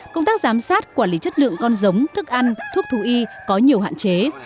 công tác giám sát quản lý chất lượng con giống thức ăn thuốc thú y có nhiều hạn chế